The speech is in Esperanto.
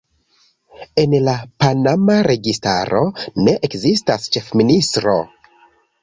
En la panama registaro ne ekzistas ĉefministro.